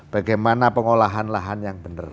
bagaimana pengolahan lahan yang benar